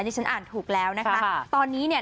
ที่ฉันอ่านถูกแล้วนะคะตอนนี้เนี่ย